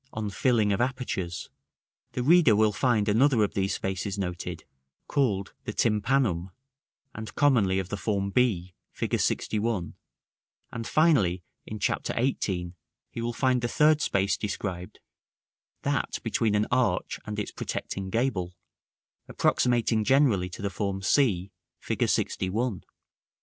on Filling of Apertures, the reader will find another of these spaces noted, called the tympanum, and commonly of the form b, Fig. LXI.: and finally, in Chapter XVIII., he will find the third space described, that between an arch and its protecting gable, approximating generally to the form c, Fig. LXI. § IX.